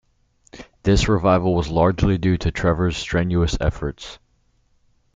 This revival was largely due to Trevor's strenuous efforts.